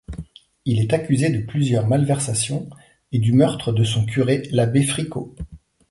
Il est accusé de plusieurs malversations et du meurtre de son curé, l'abbé Fricot.